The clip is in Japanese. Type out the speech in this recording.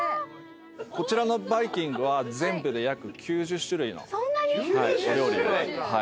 こちらのバイキングは全部で約９０種類のお料理をご用意しております。